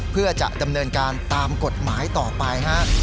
เพื่อจะดำเนินการตามกฎหมายต่อไปฮะ